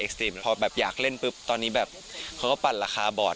ก็เพราะว่าเราได้เข้าฉากด้วยกันตลอด